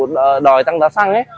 đều đòi tăng giá xăng